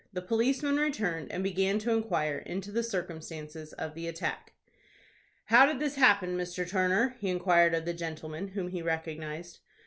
The policeman returned, and began to inquire into the circumstances of the attack. "How did this happen, Mr. Turner?" he inquired of the gentleman, whom he recognized.